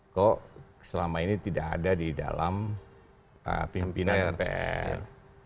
kok selama ini tidak ada di dalam pimpinan dpr